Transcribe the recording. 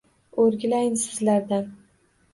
-O‘rgilayin sizlardan.